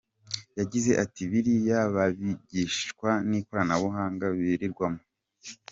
Yagize ati "Biriya babyigishwa n’ ikoranabuhanga birirwamo.